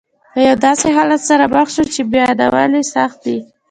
له یو داسې حالت سره مخ شوم چې بیانول یې سخت دي.